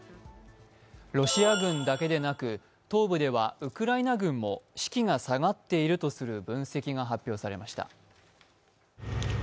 ロシア軍だけでなく、東部ではウクライナ軍も士気が下がっているとする分析が発表されました。